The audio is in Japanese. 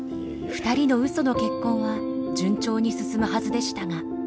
２人の嘘の結婚は順調に進むはずでしたが。